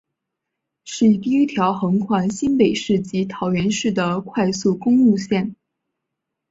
是第一条横跨新北市及桃园市的快速公车路线。